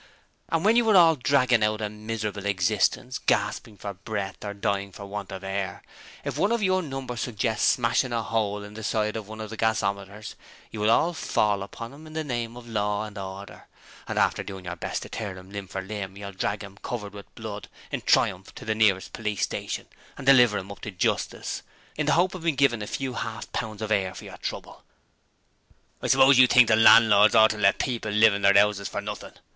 And when you are all dragging out a miserable existence, gasping for breath or dying for want of air, if one of your number suggests smashing a hole in the side of one of the gasometers, you will all fall upon him in the name of law and order, and after doing your best to tear him limb from limb, you'll drag him, covered with blood, in triumph to the nearest Police Station and deliver him up to "justice" in the hope of being given a few half pounds of air for your trouble.' 'I suppose you think the landlords ought to let people live in their 'ouses for nothing?'